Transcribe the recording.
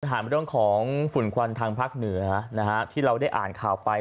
ถามเรื่องของฝุ่นควันทางภาคเหนือนะฮะที่เราได้อ่านข่าวไป